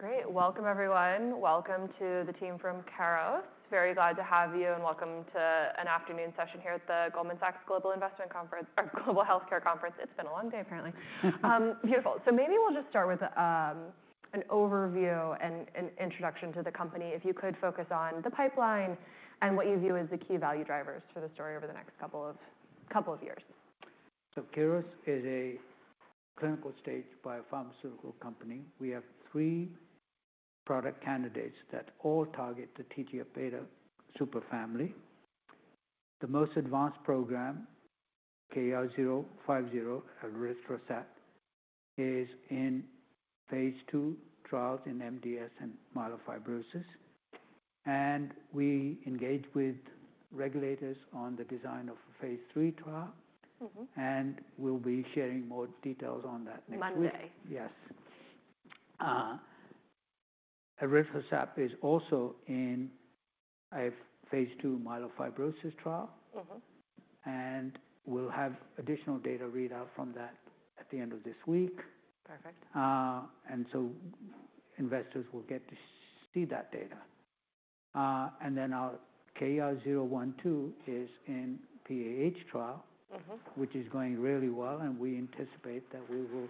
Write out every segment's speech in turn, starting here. Great. Welcome, everyone. Welcome to the team from Keros. Very glad to have you, and welcome to an afternoon session here at the Goldman Sachs Global Healthcare Conference. It's been a long day, apparently. Beautiful. So maybe we'll just start with an overview and an introduction to the company. If you could focus on the pipeline and what you view as the key value drivers for the story over the next couple of years. Keros is a clinical stage biopharmaceutical company. We have three product candidates that all target the TGF-β superfamily. The most advanced program, KER-050 and elritercept, is in phase 2 trials in MDS and myelofibrosis. We engage with regulators on the design of a phase 3 trial. We'll be sharing more details on that next week. Monday. Yes. Elritercept is also in a phase 2 myelofibrosis trial. We'll have additional data readout from that at the end of this week. Perfect. And so investors will get to see that data. And then our KER-012 is in PAH trial, which is going really well. And we anticipate that we will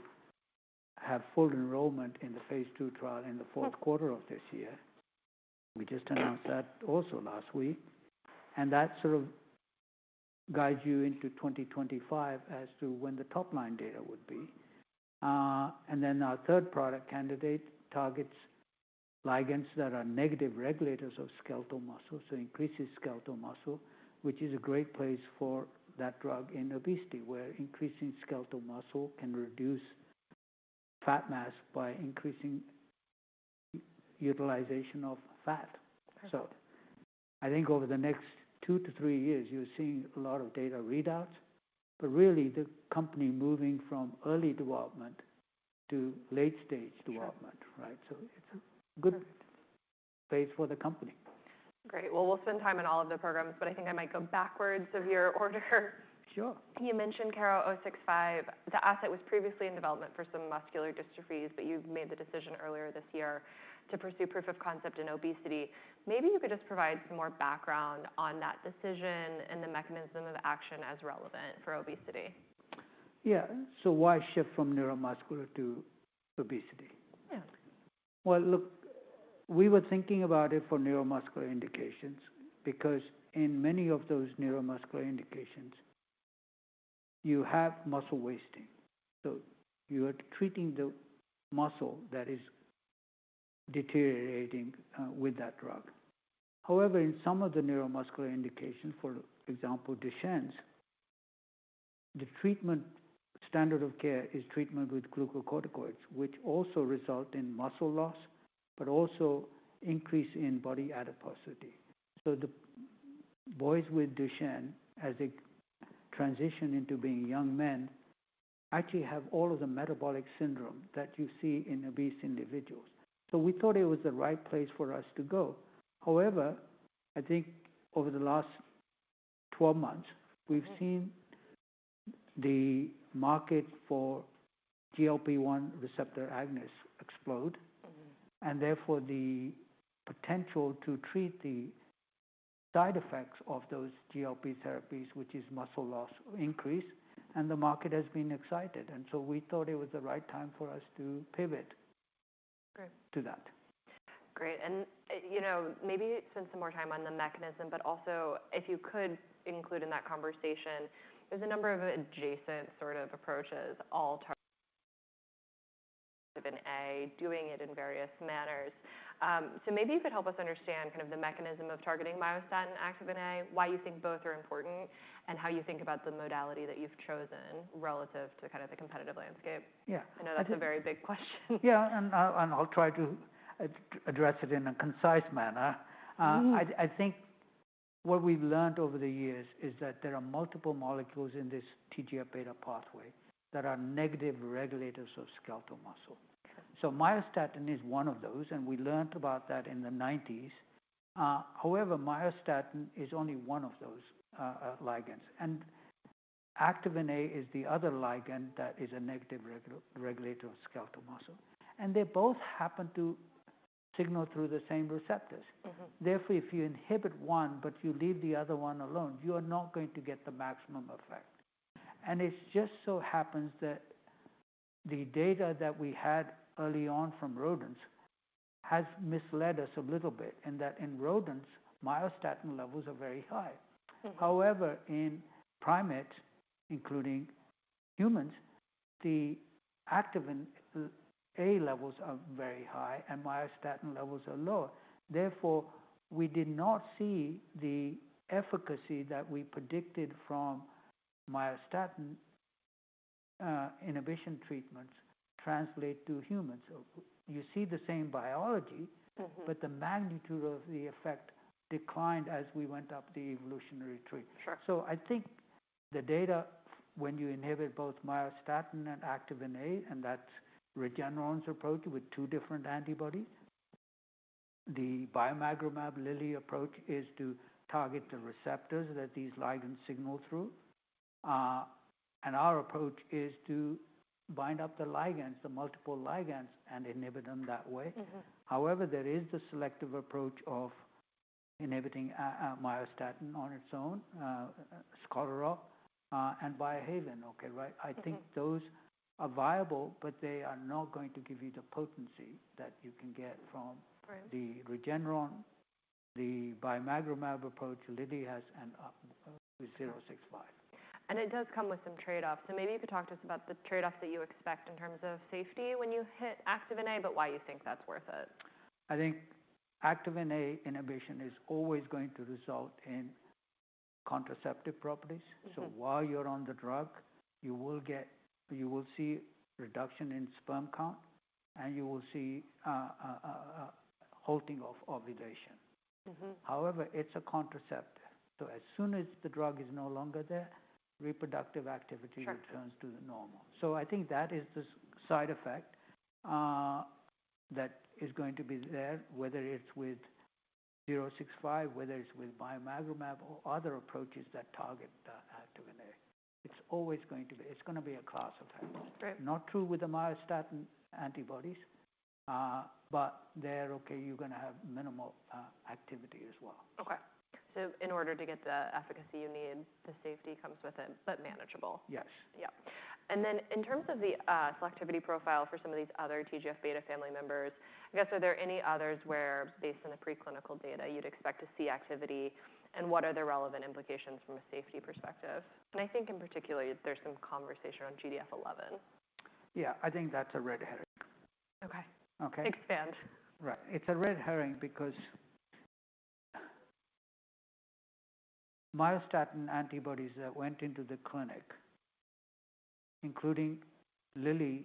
have full enrollment in the phase 2 trial in the fourth quarter of this year. We just announced that also last week. And that sort of guides you into 2025 as to when the top-line data would be. And then our third product candidate targets ligands that are negative regulators of skeletal muscle, so increases skeletal muscle, which is a great place for that drug in obesity, where increasing skeletal muscle can reduce fat mass by increasing utilization of fat. So I think over the next two to three years, you're seeing a lot of data readouts. But really, the company is moving from early development to late-stage development, right? So it's a good space for the company. Great. Well, we'll spend time on all of the programs, but I think I might go backwards of your order. Sure. You mentioned KER-065. The asset was previously in development for some muscular dystrophies, but you made the decision earlier this year to pursue proof of concept in obesity. Maybe you could just provide some more background on that decision and the mechanism of action as relevant for obesity? Yeah. So why shift from neuromuscular to obesity? Yeah. Well, look, we were thinking about it for neuromuscular indications because in many of those neuromuscular indications, you have muscle wasting. So you are treating the muscle that is deteriorating with that drug. However, in some of the neuromuscular indications, for example, Duchenne, the treatment standard of care is treatment with glucocorticoids, which also result in muscle loss, but also increase in body adiposity. So the boys with Duchenne, as they transition into being young men, actually have all of the metabolic syndrome that you see in obese individuals. So we thought it was the right place for us to go. However, I think over the last 12 months, we've seen the market for GLP-1 receptor agonists explode. And therefore, the potential to treat the side effects of those GLP therapies, which is muscle loss increase, and the market has been excited. We thought it was the right time for us to pivot to that. Great. And maybe spend some more time on the mechanism, but also if you could include in that conversation, there's a number of adjacent sort of approaches, all targeting activin A, doing it in various manners. So maybe you could help us understand kind of the mechanism of targeting myostatin and activin A, why you think both are important, and how you think about the modality that you've chosen relative to kind of the competitive landscape. Yeah. I know that's a very big question. Yeah. And I'll try to address it in a concise manner. I think what we've learned over the years is that there are multiple molecules in this TGF-β pathway that are negative regulators of skeletal muscle. So myostatin is one of those, and we learned about that in the '90s. However, myostatin is only one of those ligands. And activin A is the other ligand that is a negative regulator of skeletal muscle. And they both happen to signal through the same receptors. Therefore, if you inhibit one, but you leave the other one alone, you are not going to get the maximum effect. And it just so happens that the data that we had early on from rodents has misled us a little bit in that in rodents, myostatin levels are very high. However, in primates, including humans, the activin A levels are very high, and myostatin levels are low. Therefore, we did not see the efficacy that we predicted from myostatin inhibition treatments translate to humans. You see the same biology, but the magnitude of the effect declined as we went up the evolutionary tree. So I think the data, when you inhibit both myostatin and activin A, and that's Regeneron's approach with two different antibodies, the bimagrumab-Lilly approach is to target the receptors that these ligands signal through. And our approach is to bind up the ligands, the multiple ligands, and inhibit them that way. However, there is the selective approach of inhibiting myostatin on its own, Scholar, and Biohaven. Okay, right? I think those are viable, but they are not going to give you the potency that you can get from the Regeneron, the bimagrumab approach, Lilly, and 065. It does come with some trade-offs. Maybe you could talk to us about the trade-offs that you expect in terms of safety when you hit activin A, but why you think that's worth it? I think activin A inhibition is always going to result in contraceptive properties. So while you're on the drug, you will see reduction in sperm count, and you will see halting of ovulation. However, it's a contraceptive. So as soon as the drug is no longer there, reproductive activity returns to the normal. So I think that is the side effect that is going to be there, whether it's with 065, whether it's with bimagrumab or other approaches that target activin A. It's always going to be it's going to be a class effect. Not true with the myostatin antibodies, but there, okay, you're going to have minimal activity as well. Okay. In order to get the efficacy you need, the safety comes with it, but manageable. Yes. Yeah. And then in terms of the selectivity profile for some of these other TGF-β family members, I guess, are there any others where, based on the preclinical data, you'd expect to see activity? And what are the relevant implications from a safety perspective? And I think in particular, there's some conversation on GDF-11. Yeah. I think that's a red herring. Okay. Expand. Right. It's a red herring because myostatin antibodies that went into the clinic, including Lilly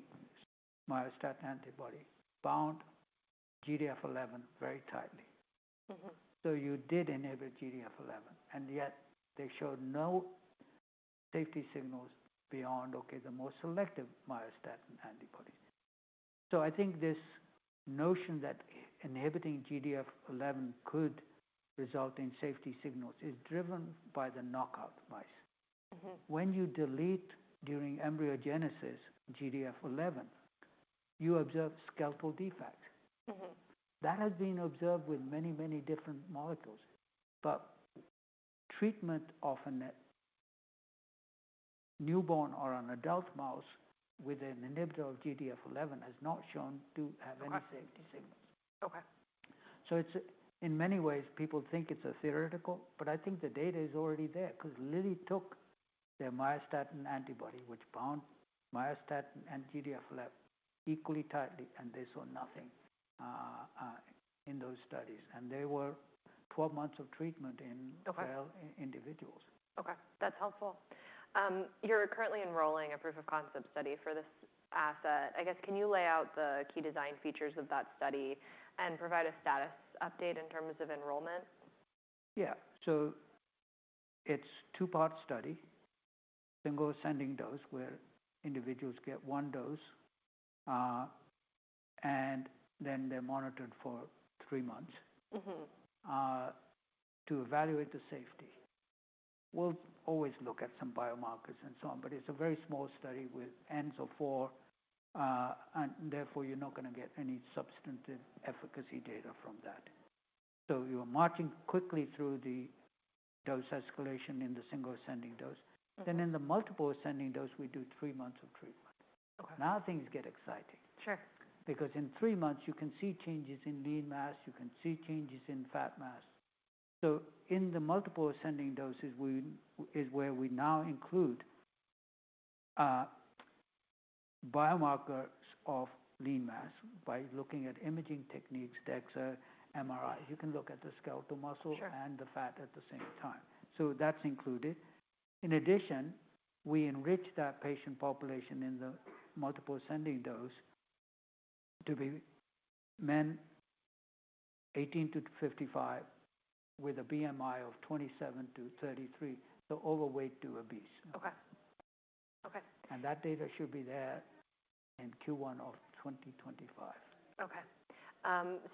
myostatin antibody, bound GDF-11 very tightly. So you did inhibit GDF-11, and yet they showed no safety signals beyond, okay, the more selective myostatin antibodies. So I think this notion that inhibiting GDF-11 could result in safety signals is driven by the knockout mice. When you delete during embryogenesis GDF-11, you observe skeletal defects. That has been observed with many, many different molecules. But treatment of a newborn or an adult mouse with an inhibitor of GDF-11 has not shown to have any safety signals. So in many ways, people think it's a theoretical, but I think the data is already there because Lilly took their myostatin antibody, which bound myostatin and GDF-11 equally tightly, and they saw nothing in those studies. And they were 12 months of treatment in male individuals. Okay. That's helpful. You're currently enrolling a proof of concept study for this asset. I guess, can you lay out the key design features of that study and provide a status update in terms of enrollment? Yeah. So it's a two-part study, single-ascending dose, where individuals get one dose, and then they're monitored for three months to evaluate the safety. We'll always look at some biomarkers and so on, but it's a very small study with Ns of four, and therefore, you're not going to get any substantive efficacy data from that. So you're marching quickly through the dose escalation in the single-ascending dose. Then in the multiple-ascending dose, we do three months of treatment. Now things get exciting because in three months, you can see changes in lean mass. You can see changes in fat mass. So in the multiple-ascending doses is where we now include biomarkers of lean mass by looking at imaging techniques, DEXA, MRI. You can look at the skeletal muscle and the fat at the same time. So that's included. In addition, we enrich that patient population in the multiple ascending dose to be men 18-55 with a BMI of 27-33, so overweight to obese. And that data should be there in Q1 of 2025. Okay.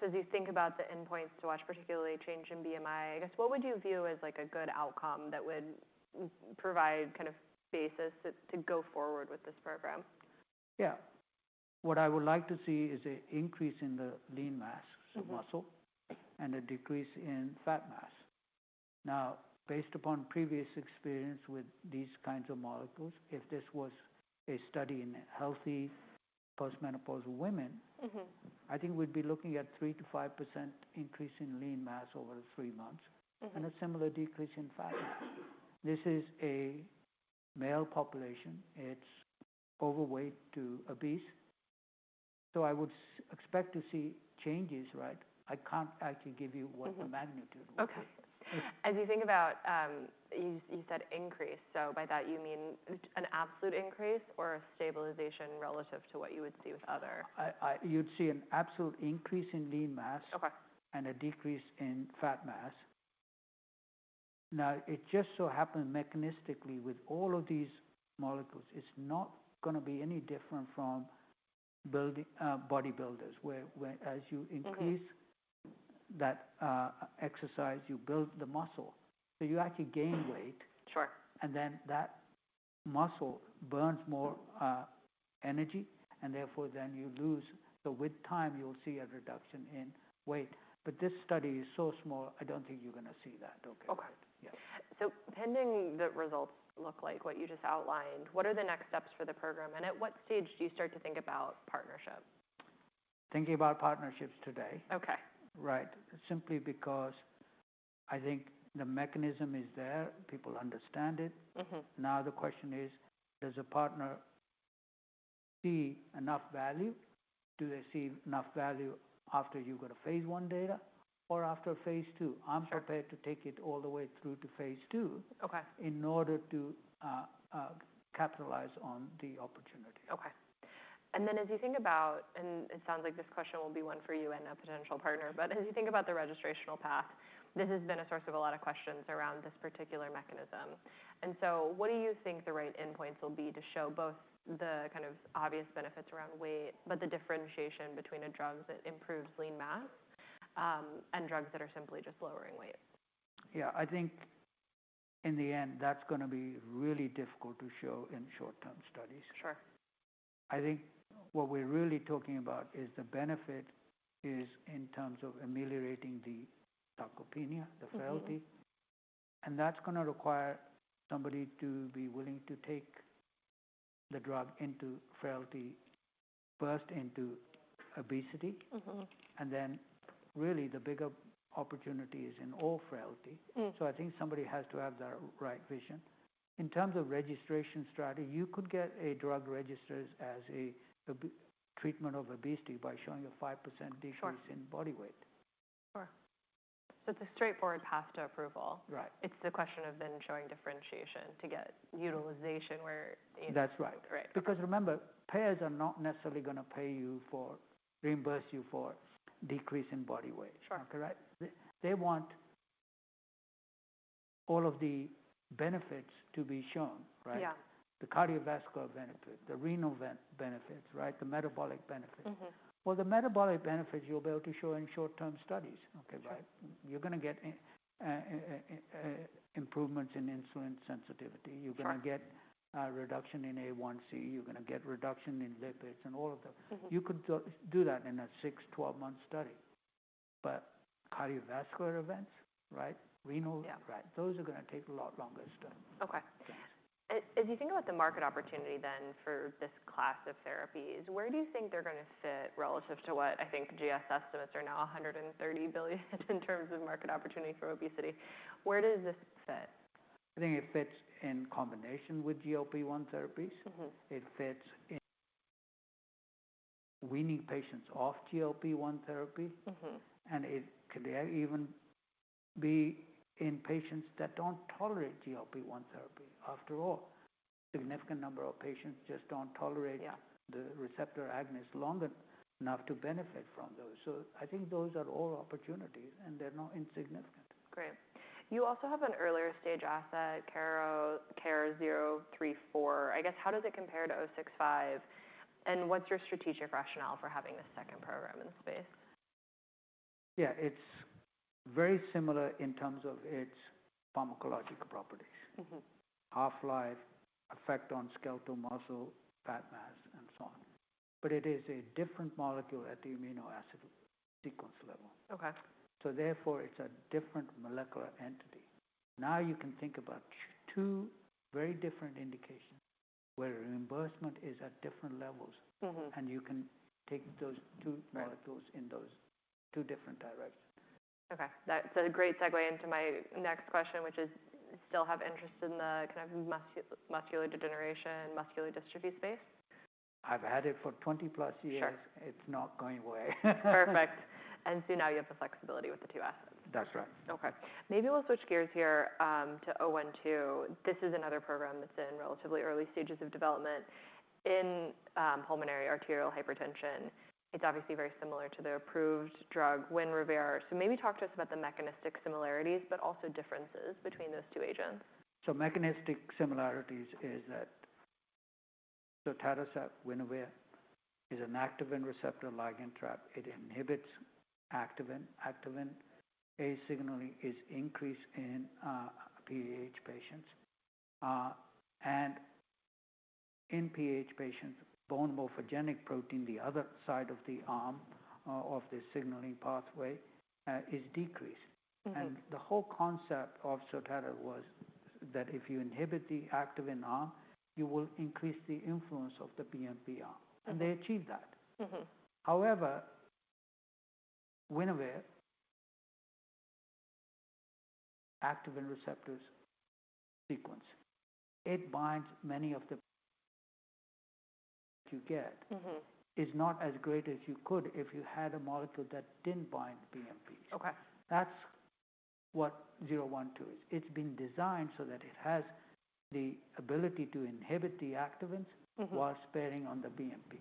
So as you think about the endpoints to watch particularly change in BMI, I guess, what would you view as a good outcome that would provide kind of basis to go forward with this program? Yeah. What I would like to see is an increase in the lean mass of muscle and a decrease in fat mass. Now, based upon previous experience with these kinds of molecules, if this was a study in healthy postmenopausal women, I think we'd be looking at 3%-5% increase in lean mass over three months and a similar decrease in fat mass. This is a male population. It's overweight to obese. So I would expect to see changes, right? I can't actually give you what the magnitude would be. Okay. As you think about, you said increase. So by that, you mean an absolute increase or a stabilization relative to what you would see with other? You'd see an absolute increase in lean mass and a decrease in fat mass. Now, it just so happens mechanistically with all of these molecules, it's not going to be any different from bodybuilders, where as you increase that exercise, you build the muscle. So you actually gain weight, and then that muscle burns more energy, and therefore, then you lose. So with time, you'll see a reduction in weight. But this study is so small, I don't think you're going to see that, okay? Okay. So pending the results look like what you just outlined, what are the next steps for the program? And at what stage do you start to think about partnership? Thinking about partnerships today, right, simply because I think the mechanism is there. People understand it. Now the question is, does a partner see enough value? Do they see enough value after you've got a phase 1 data or after phase 2? I'm prepared to take it all the way through to phase 2 in order to capitalize on the opportunity. Okay. And then as you think about, and it sounds like this question will be one for you and a potential partner, but as you think about the registrational path, this has been a source of a lot of questions around this particular mechanism. And so what do you think the right endpoints will be to show both the kind of obvious benefits around weight, but the differentiation between a drug that improves lean mass and drugs that are simply just lowering weight? Yeah. I think in the end, that's going to be really difficult to show in short-term studies. I think what we're really talking about is the benefit is in terms of ameliorating the sarcopenia, the frailty. And that's going to require somebody to be willing to take the drug into frailty, burst into obesity. And then really, the bigger opportunity is in all frailty. So I think somebody has to have the right vision. In terms of registration strategy, you could get a drug registered as a treatment of obesity by showing a 5% decrease in body weight. Sure. So it's a straightforward path to approval. It's the question of then showing differentiation to get utilization where. That's right. Because remember, payers are not necessarily going to pay you for reimburse you for decrease in body weight, okay? They want all of the benefits to be shown, right? The cardiovascular benefit, the renal benefits, right? The metabolic benefits. Well, the metabolic benefits, you'll be able to show in short-term studies, okay? You're going to get improvements in insulin sensitivity. You're going to get a reduction in A1C. You're going to get reduction in lipids and all of them. You could do that in a 6, 12-month study. But cardiovascular events, right? Renal, right? Those are going to take a lot longer study. Okay. As you think about the market opportunity then for this class of therapies, where do you think they're going to fit relative to what I think GS estimates are now $130 billion in terms of market opportunity for obesity? Where does this fit? I think it fits in combination with GLP-1 therapies. It fits in weaning patients off GLP-1 therapy. And it could even be in patients that don't tolerate GLP-1 therapy. After all, a significant number of patients just don't tolerate the receptor agonist long enough to benefit from those. So I think those are all opportunities, and they're not insignificant. Great. You also have an earlier stage asset, KER-034. I guess, how does it compare to 065? And what's your strategic rationale for having this second program in the space? Yeah. It's very similar in terms of its pharmacologic properties. Half-life, effect on skeletal muscle, fat mass, and so on. But it is a different molecule at the amino acid sequence level. So therefore, it's a different molecular entity. Now you can think about two very different indications where reimbursement is at different levels, and you can take those two molecules in those two different directions. Okay. That's a great segue into my next question, which is still have interest in the kind of muscular degeneration, muscular dystrophy space. I've had it for 20+ years. It's not going away. Perfect. And so now you have the flexibility with the two assets. That's right. Okay. Maybe we'll switch gears here to 012. This is another program that's in relatively early stages of development in pulmonary arterial hypertension. It's obviously very similar to the approved drug, Winrevair. So maybe talk to us about the mechanistic similarities, but also differences between those two agents. So mechanistic similarities is that Sotatercept, WINREVAIR is an activin receptor ligand trap. It inhibits activin. Activin A signaling is increased in PAH patients. And in PAH patients, bone morphogenic protein, the other side of the arm of the signaling pathway, is decreased. And the whole concept of sotatercept was that if you inhibit the activin arm, you will increase the influence of the BMP arm. And they achieved that. However, WINREVAIR, activin receptors sequence, it binds many of the that you get. It's not as great as you could if you had a molecule that didn't bind BMP. That's what KER-012 is. It's been designed so that it has the ability to inhibit the activins while sparing on the BMP.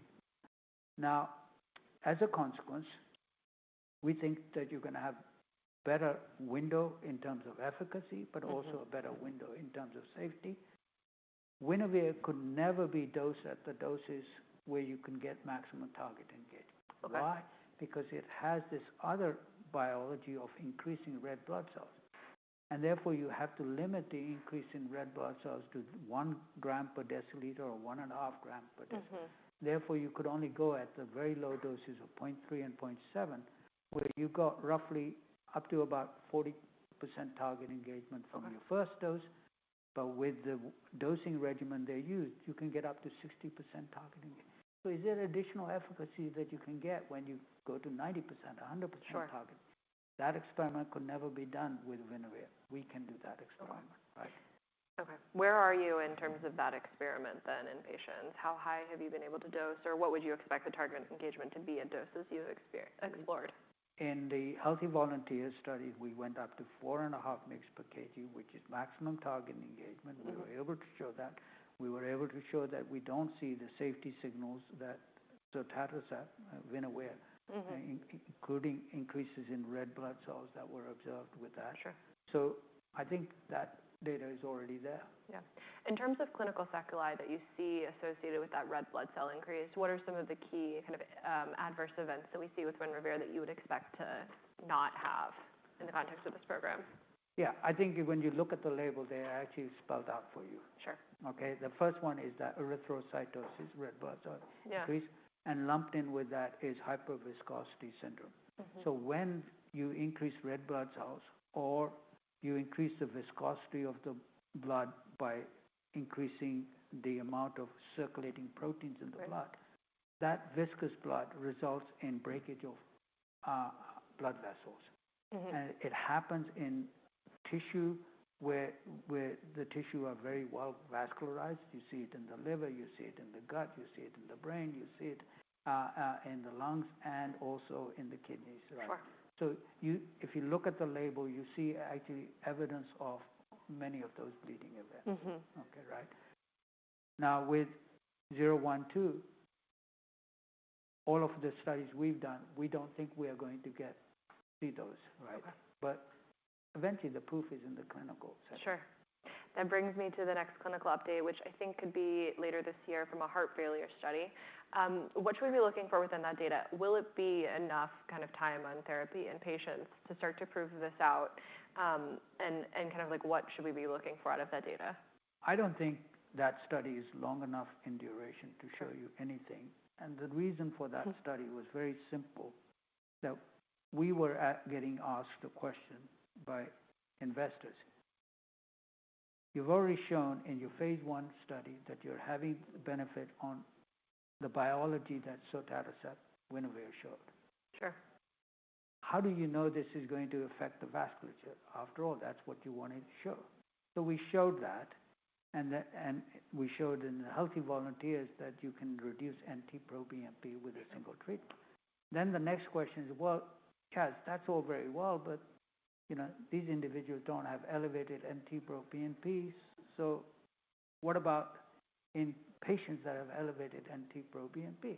Now, as a consequence, we think that you're going to have a better window in terms of efficacy, but also a better window in terms of safety. Winrevair could never be dosed at the doses where you can get maximum target engagement. Why? Because it has this other biology of increasing red blood cells. And therefore, you have to limit the increase in red blood cells to 1 gram per deciliter or 1.5 gram per deciliter. Therefore, you could only go at the very low doses of 0.3 and 0.7, where you got roughly up to about 40% target engagement from your first dose. But with the dosing regimen they used, you can get up to 60% target engagement. So is there additional efficacy that you can get when you go to 90%, 100% target? That experiment could never be done with Winrevair. We can do that experiment, right? Okay. Where are you in terms of that experiment then in patients? How high have you been able to dose, or what would you expect the target engagement to be at doses you've explored? In the healthy volunteer study, we went up to 4.5 mg per kg, which is maximum target engagement. We were able to show that. We were able to show that we don't see the safety signals that sotatercept, Winrevair, including increases in red blood cells that were observed with that. So I think that data is already there. Yeah. In terms of clinical sequelae that you see associated with that red blood cell increase, what are some of the key kind of adverse events that we see with Winrevair that you would expect to not have in the context of this program? Yeah. I think when you look at the label, they're actually spelled out for you. Okay? The first one is that erythrocytosis, red blood cell increase. And lumped in with that is hyperviscosity syndrome. So when you increase red blood cells or you increase the viscosity of the blood by increasing the amount of circulating proteins in the blood, that viscous blood results in breakage of blood vessels. And it happens in tissue where the tissue are very well vascularized. You see it in the liver. You see it in the gut. You see it in the brain. You see it in the lungs and also in the kidneys. So if you look at the label, you see actually evidence of many of those bleeding events, okay? Right? Now, with 012, all of the studies we've done, we don't think we are going to get cytosis, right? Eventually, the proof is in the clinical setting. Sure. That brings me to the next clinical update, which I think could be later this year from a heart failure study. What should we be looking for within that data? Will it be enough kind of time on therapy in patients to start to prove this out? And kind of what should we be looking for out of that data? I don't think that study is long enough in duration to show you anything. The reason for that study was very simple. We were getting asked the question by investors. You've already shown in your phase one study that you're having benefit on the biology that sotatercept said, Winrevair showed. How do you know this is going to affect the vasculature? After all, that's what you wanted to show. So we showed that, and we showed in the healthy volunteers that you can reduce NT-proBNP with a single treatment. The next question is, well, yes, that's all very well, but these individuals don't have elevated NT-proBNP. So what about in patients that have elevated NT-proBNP?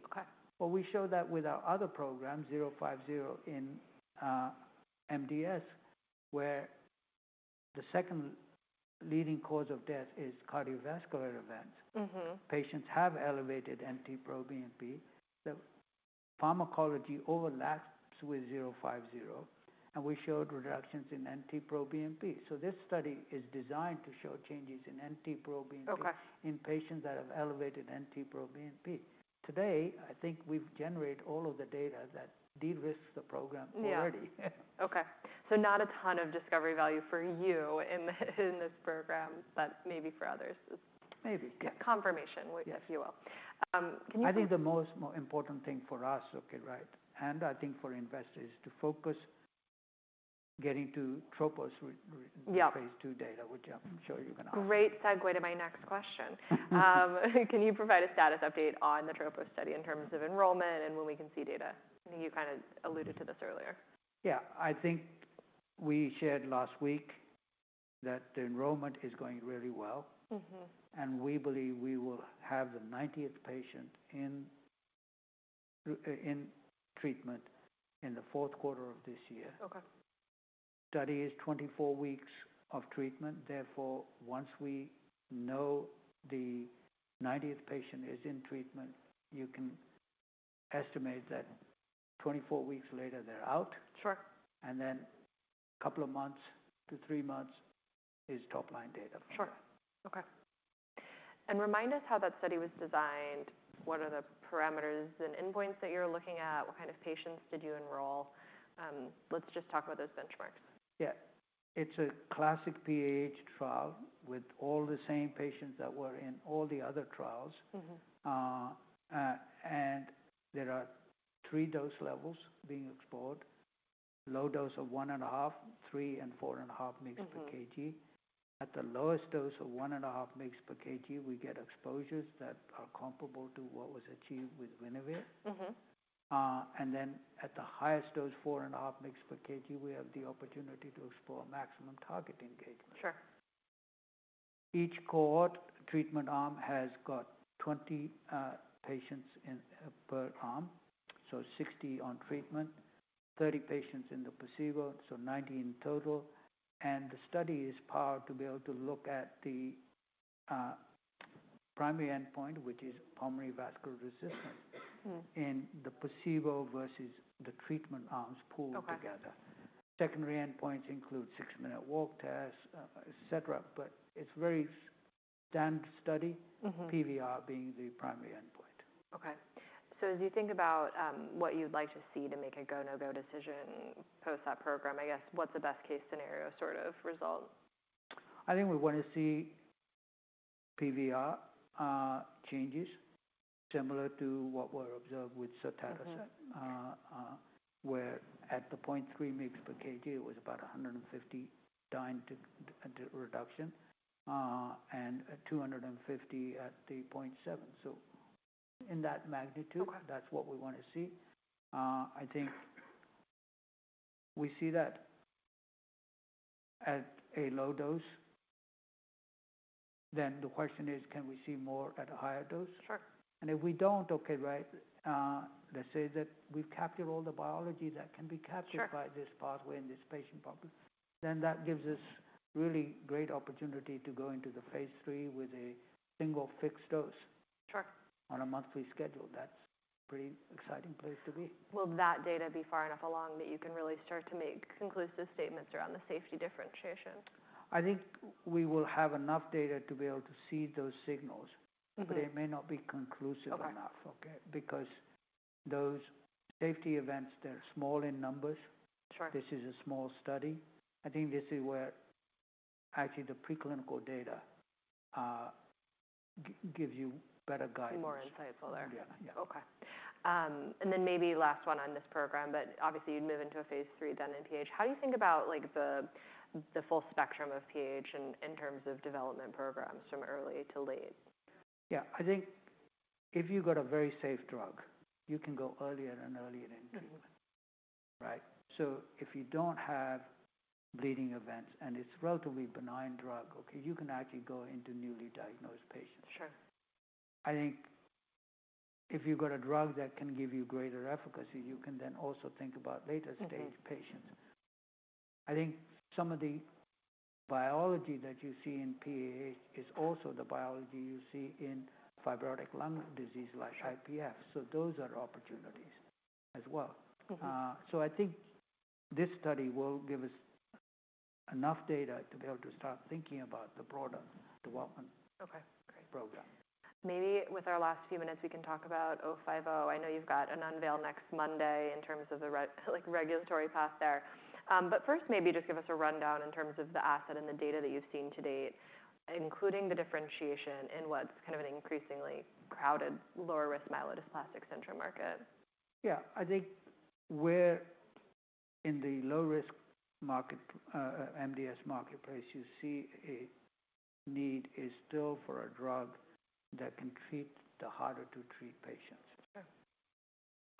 Well, we showed that with our other program, KER-050 in MDS, where the second leading cause of death is cardiovascular events. Patients have elevated NT-proBNP. The pharmacology overlaps with 050, and we showed reductions in NT-proBNP. So this study is designed to show changes in NT-proBNP in patients that have elevated NT-proBNP. Today, I think we've generated all of the data that de-risked the program already. Okay. So not a ton of discovery value for you in this program, but maybe for others. Maybe. Confirmation, if you will. Can you? I think the most important thing for us, okay, right? And I think for investors to focus getting to TROPOS phase 2 data, which I'm sure you're going to ask. Great segue to my next question. Can you provide a status update on the TROPOS study in terms of enrollment and when we can see data? I think you kind of alluded to this earlier. Yeah. I think we shared last week that the enrollment is going really well. We believe we will have the 90th patient in treatment in the fourth quarter of this year. Study is 24 weeks of treatment. Therefore, once we know the 90th patient is in treatment, you can estimate that 24 weeks later, they're out. Then a couple of months to 3 months is top-line data. Sure. Okay. Remind us how that study was designed. What are the parameters and endpoints that you're looking at? What kind of patients did you enroll? Let's just talk about those benchmarks. Yeah. It's a classic PAH trial with all the same patients that were in all the other trials. There are three dose levels being explored: low dose of 1.5, 3, and 4.5 mg per kg. At the lowest dose of 1.5 mg per kg, we get exposures that are comparable to what was achieved with Winrevair. Then at the highest dose, 4.5 mg per kg, we have the opportunity to explore maximum target engagement. Each cohort treatment arm has got 20 patients per arm. So 60 on treatment, 30 patients in the placebo. So 90 in total. The study is powered to be able to look at the primary endpoint, which is pulmonary vascular resistance in the placebo versus the treatment arms pooled together. Secondary endpoints include six-minute walk tests, etc. But it's a very standard study, PVR being the primary endpoint. Okay. So as you think about what you'd like to see to make a go-no-go decision post-op program, I guess, what's the best-case scenario sort of result? I think we want to see PVR changes similar to what were observed with sotatercept, where at the 0.3 mg per kg, it was about 150 dynes reduction and 250 at the 0.7. So in that magnitude, that's what we want to see. I think we see that at a low dose. Then the question is, can we see more at a higher dose? And if we don't, okay, right, let's say that we've captured all the biology that can be captured by this pathway in this patient population. Then that gives us really great opportunity to go into the phase 3 with a single fixed dose on a monthly schedule. That's a pretty exciting place to be. Will that data be far enough along that you can really start to make conclusive statements around the safety differentiation? I think we will have enough data to be able to see those signals, but they may not be conclusive enough, okay? Because those safety events, they're small in numbers. This is a small study. I think this is where actually the preclinical data gives you better guidance. More insights while they're here. Yeah. Yeah. Okay. And then maybe last one on this program, but obviously, you'd move into a phase 3 then in PAH. How do you think about the full spectrum of PAH in terms of development programs from early to late? Yeah. I think if you've got a very safe drug, you can go earlier and earlier in treatment, right? So if you don't have bleeding events and it's a relatively benign drug, okay, you can actually go into newly diagnosed patients. I think if you've got a drug that can give you greater efficacy, you can then also think about later-stage patients. I think some of the biology that you see in PAH is also the biology you see in fibrotic lung disease like IPF. So those are opportunities as well. So I think this study will give us enough data to be able to start thinking about the broader development program. Maybe with our last few minutes, we can talk about 050. I know you've got an unveil next Monday in terms of the regulatory path there. But first, maybe just give us a rundown in terms of the asset and the data that you've seen to date, including the differentiation in what's kind of an increasingly crowded lower-risk myelodysplastic syndrome market. Yeah. I think where in the low-risk market, MDS marketplace, you see a need is still for a drug that can treat the harder-to-treat patients.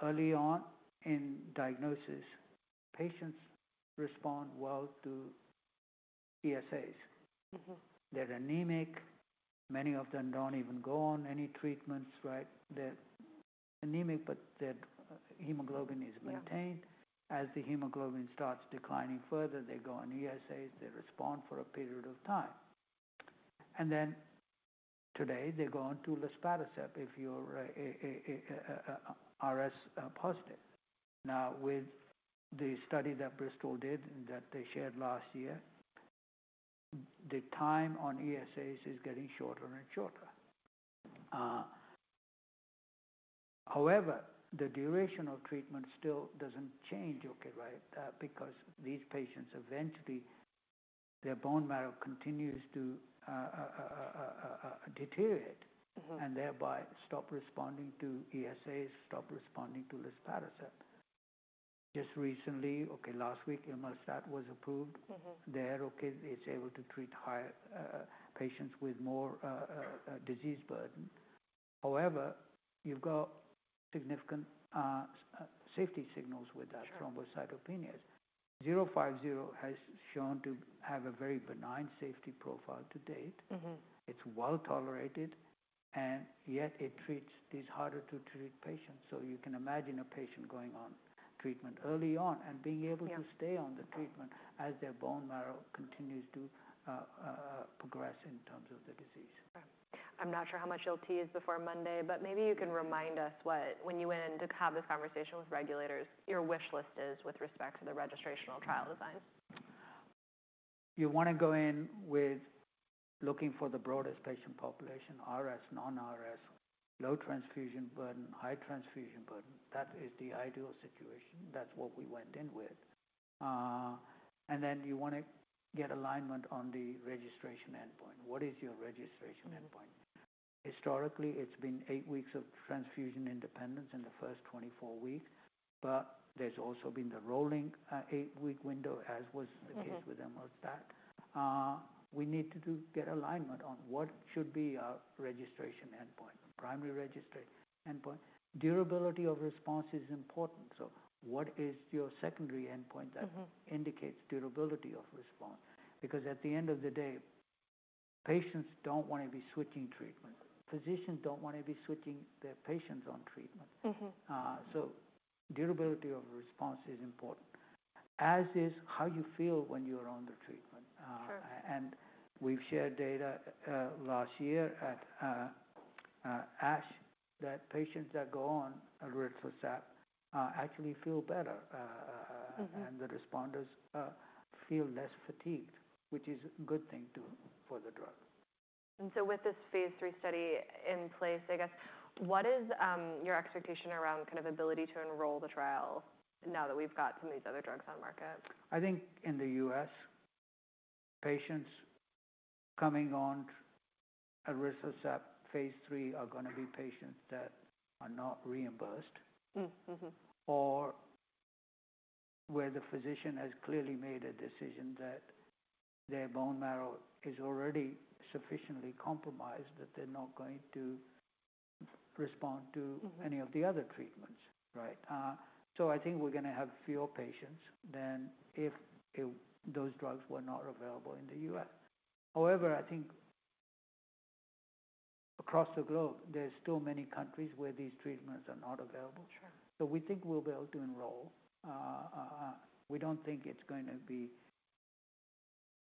Early on in diagnosis, patients respond well to ESAs. They're anemic. Many of them don't even go on any treatments, right? They're anemic, but their hemoglobin is maintained. As the hemoglobin starts declining further, they go on ESAs. They respond for a period of time. And then today, they go on to luspatercept if you're RS positive. Now, with the study that Bristol did that they shared last year, the time on ESAs is getting shorter and shorter. However, the duration of treatment still doesn't change, okay, right? Because these patients eventually, their bone marrow continues to deteriorate and thereby stop responding to ESAs, stop responding to luspatercept. Just recently, okay, last week, imetelstat was approved. It's able to treat patients with more disease burden. However, you've got significant safety signals with that thrombocytopenia. 050 has shown to have a very benign safety profile to date. It's well tolerated, and yet it treats these harder-to-treat patients. So you can imagine a patient going on treatment early on and being able to stay on the treatment as their bone marrow continues to progress in terms of the disease. I'm not sure how much you'll tease before Monday, but maybe you can remind us what, when you went in to have this conversation with regulators, your wish list is with respect to the registrational trial design? You want to go in with looking for the broadest patient population, RS, non-RS, low transfusion burden, high transfusion burden. That is the ideal situation. That's what we went in with. And then you want to get alignment on the registration endpoint. What is your registration endpoint? Historically, it's been 8 weeks of transfusion independence in the first 24 weeks, but there's also been the rolling 8-week window, as was the case with Imetelstat. We need to get alignment on what should be our registration endpoint, primary registration endpoint. Durability of response is important. So what is your secondary endpoint that indicates durability of response? Because at the end of the day, patients don't want to be switching treatment. Physicians don't want to be switching their patients on treatment. So durability of response is important, as is how you feel when you're on the treatment. We've shared data last year at ASH that patients that go on elritercept actually feel better, and the responders feel less fatigued, which is a good thing for the drug. So with this phase 3 study in place, I guess, what is your expectation around kind of ability to enroll the trial now that we've got some of these other drugs on the market? I think in the U.S., patients coming on elritercept phase three are going to be patients that are not reimbursed or where the physician has clearly made a decision that their bone marrow is already sufficiently compromised that they're not going to respond to any of the other treatments, right? So I think we're going to have fewer patients than if those drugs were not available in the U.S. However, I think across the globe, there are still many countries where these treatments are not available. So we think we'll be able to enroll. We don't think it's going to be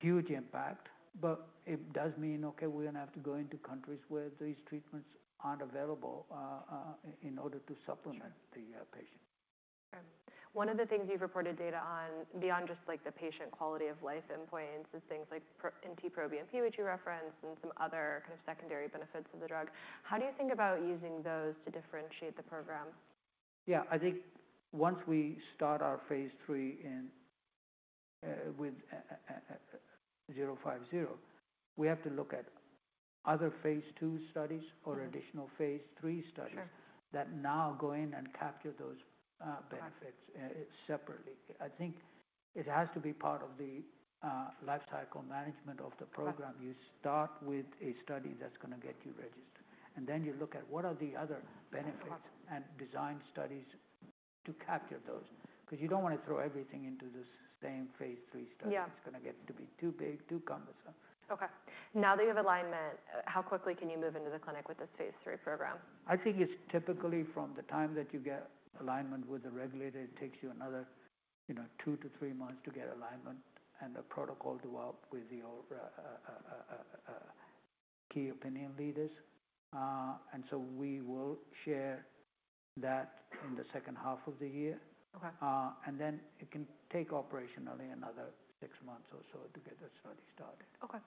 a huge impact, but it does mean, okay, we're going to have to go into countries where these treatments aren't available in order to supplement the patient. One of the things you've reported data on beyond just the patient quality of life endpoints is things like NT-proBNP, which you referenced, and some other kind of secondary benefits of the drug. How do you think about using those to differentiate the program? Yeah. I think once we start our phase three with 050, we have to look at other phase two studies or additional phase three studies that now go in and capture those benefits separately. I think it has to be part of the lifecycle management of the program. You start with a study that's going to get you registered. And then you look at what are the other benefits and design studies to capture those. Because you don't want to throw everything into this same phase three study. It's going to get to be too big, too cumbersome. Okay. Now that you have alignment, how quickly can you move into the clinic with this phase 3 program? I think it's typically from the time that you get alignment with the regulator. It takes you another 2-3 months to get alignment and the protocol to work with your key opinion leaders. And so we will share that in the second half of the year. And then it can take operationally another 6 months or so to get the study started. Okay.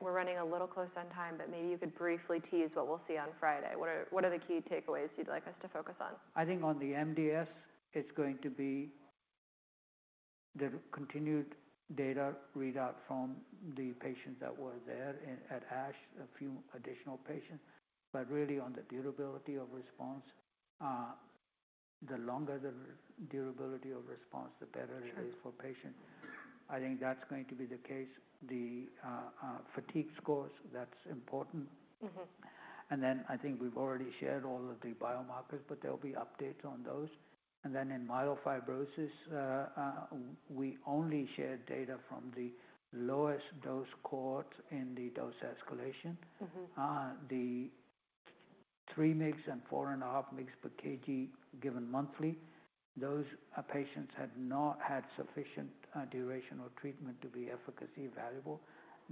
We're running a little close on time, but maybe you could briefly tease what we'll see on Friday. What are the key takeaways you'd like us to focus on? I think on the MDS, it's going to be the continued data readout from the patients that were there at ASH, a few additional patients. But really, on the durability of response, the longer the durability of response, the better it is for patients. I think that's going to be the case. The fatigue scores, that's important. And then I think we've already shared all of the biomarkers, but there will be updates on those. And then in myelofibrosis, we only shared data from the lowest dose cohorts in the dose escalation. The 3 mg and 4.5 mg per kg given monthly, those patients had not had sufficient duration of treatment to be efficacy evaluable.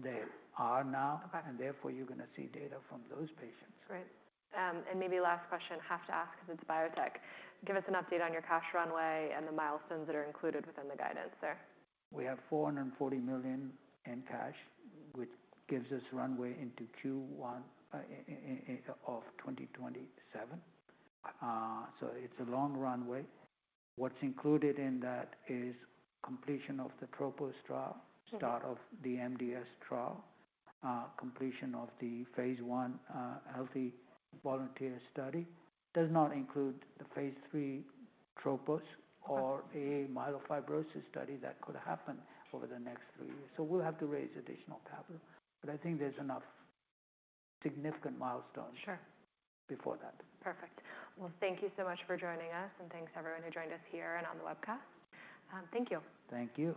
They are now, and therefore, you're going to see data from those patients. Great. And maybe last question, have to ask because it's biotech. Give us an update on your cash runway and the milestones that are included within the guidance there? We have $440 million in cash, which gives us runway into Q1 of 2027. So it's a long runway. What's included in that is completion of the TROPOS trial, start of the MDS trial, completion of the phase 1 healthy volunteer study. Does not include the phase 3 TROPOS or a myelofibrosis study that could happen over the next 3 years. So we'll have to raise additional capital. But I think there's enough significant milestones before that. Perfect. Well, thank you so much for joining us, and thanks to everyone who joined us here and on the webcast. Thank you. Thank you.